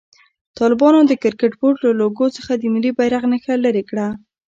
طالبانو د کرکټ بورډ له لوګو څخه د ملي بيرغ نښه لېري کړه.